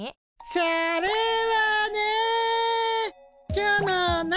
それはね。